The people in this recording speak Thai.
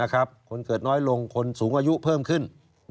คนเกิดน้อยลงคนสูงอายุเพิ่มขึ้น